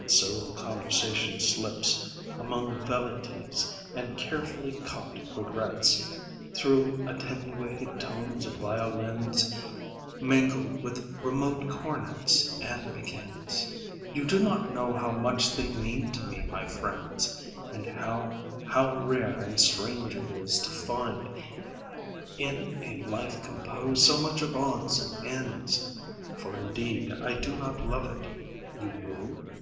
And so the conversation slips Among velleities and carefully caught regrets Through attenuated tones of violins Mingled with remote cornets And begins. "You do not know how much they mean to me, my friends, And how, how rare and strange it is, to find In a life composed so much, so much of odds and ends, (For indeed I do not love it... you knew?